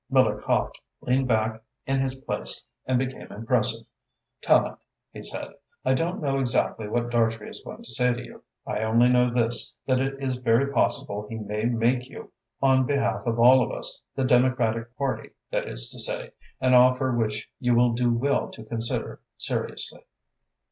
Miller coughed, leaned back in his place and became impressive. "Tallente," he said, "I don't know exactly what Dartrey is going to say to you. I only know this, that it is very possible he may make you, on behalf of all of us the Democratic Party, that is to say an offer which you will do well to consider seriously."